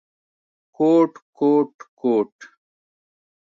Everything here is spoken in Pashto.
کوټ، کوټ ، کوټ ….